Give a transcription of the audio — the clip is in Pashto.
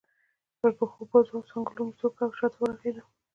پر پښو، بازو او څنګلو مې زور وکړ او شا ته ورغړېدم.